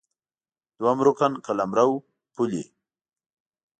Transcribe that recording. دوهم رکن قلمرو ، پولې